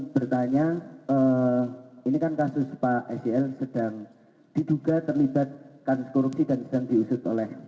terima kasih terima kasih